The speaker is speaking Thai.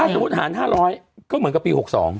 ถ้าสมมุติหารห้าร้อยก็เหมือนกับปี๖๒